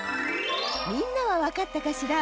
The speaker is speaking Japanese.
みんなはわかったかしら？